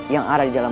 yang ada di dalam